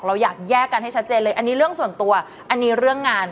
เราอยากแยกกันให้ชัดเจนเลยอันนี้เรื่องส่วนตัวอันนี้เรื่องงาน